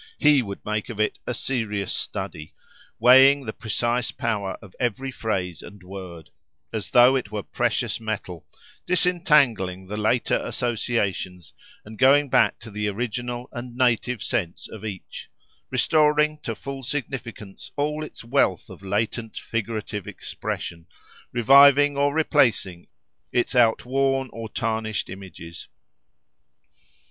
He would make of it a serious study, weighing the precise power of every phrase and word, as though it were precious metal, disentangling the later associations and going back to the original and native sense of each,—restoring to full significance all its wealth of latent figurative expression, reviving or replacing its outworn or tarnished images.